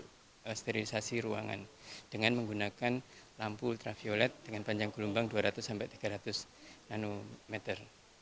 untuk sterilisasi ruangan dengan menggunakan lampu ultraviolet dengan panjang gelombang dua ratus sampai tiga ratus nanometer